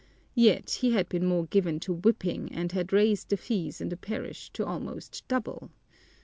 Yet he had been more given to whipping and had raised the fees in the parish to almost double."